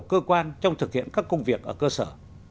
cơ quan trong thực hiện các công việc ở cơ sở